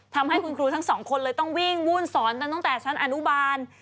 ทำให้คุณครูทั้งสองคนเลยต้องวิ่งวุ่นสอนกันตั้งแต่ชั้นอนุบาล